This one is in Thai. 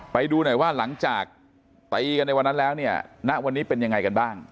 ไปดูหน่อยว่าหลังจากตีกันในวันนั้นแล้วเนี่ยณวันนี้เป็นยังไงกันบ้าง